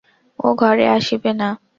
ও ঘরে আসিবে না?